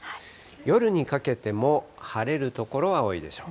夜にかけても晴れる所が多いでしょう。